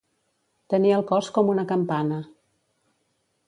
Tenir el cos com una campana.